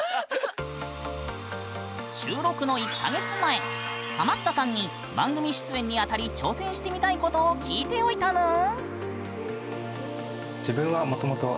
収録の１か月前ハマったさんに番組出演にあたり挑戦してみたいことを聞いておいたぬん！